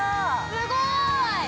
◆すごーい！